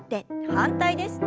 反対です。